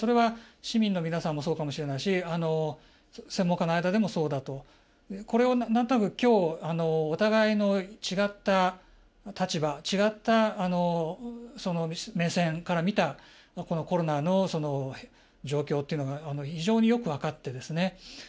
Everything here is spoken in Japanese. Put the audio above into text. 市民の皆さんもそうかもしれないし専門家の間でも、そうだと。これを何となく今日お互いの違った立場違った目線から見たコロナの状況というのが非常によく分かってですね